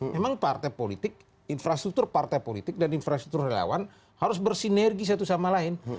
memang partai politik infrastruktur partai politik dan infrastruktur relawan harus bersinergi satu sama lain